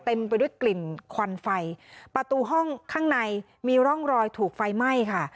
ไปด้วยกลิ่นควันไฟประตูห้องข้างในมีร่องรอยถูกไฟไหม้ค่ะ